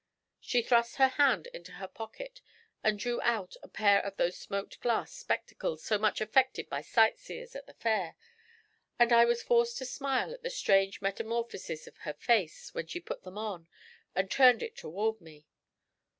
She thrust her hand into her pocket and drew out a pair of those smoked glass spectacles so much affected by sight seers at the Fair, and I was forced to smile at the strange metamorphosis of her face when she put them on and turned it toward me.